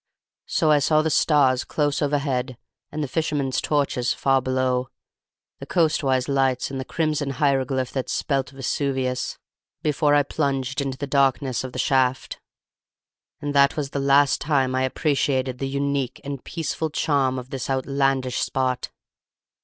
So I saw the stars close overhead, and the fishermen's torches far below, the coastwise lights and the crimson hieroglyph that spelt Vesuvius, before I plunged into the darkness of the shaft. And that was the last time I appreciated the unique and peaceful charm of this outlandish spot.